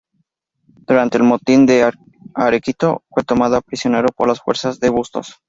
Durante el motín de Arequito fue tomado prisionero por las fuerzas de Bustos.